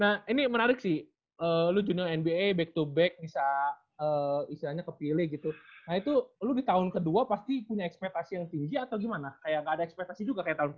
nah ini menarik sih lu jurnal nba back to back bisa istilahnya kepilih gitu nah itu lu di tahun ke dua pasti punya ekspetasi yang tinggi atau gimana kayak gak ada ekspetasi juga kayak tahun ke dua